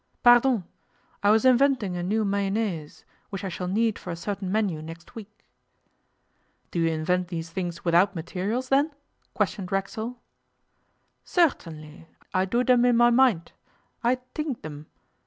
'Pardon! I was inventing a new mayonnaise, which I shall need for a certain menu next week.' 'Do you invent these things without materials, then?' questioned Racksole. 'Certainly. I do dem in my mind. I tink dem.